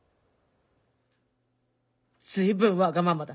随分わがままだ。